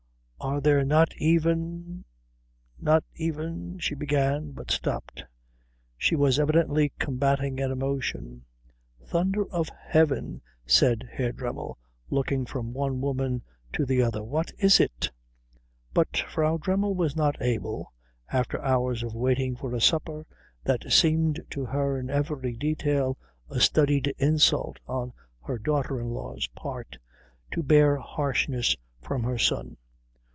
"Are there not even not even " she began, but stopped. She was evidently combating an emotion. "Thunder of heaven," said Herr Dremmel, looking from one woman to the other, "what is it?" But Frau Dremmel was not able, after the hours of waiting for a supper that seemed to her in every detail a studied insult on her daughter in law's part, to bear harshness from her son.